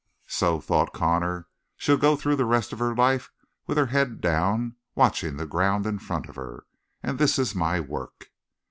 "So," thought Connor, "she'll go through the rest of her life with her head down, watching the ground in front of her. And this is my work."